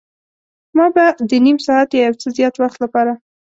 ما به د نیم ساعت یا یو څه زیات وخت لپاره.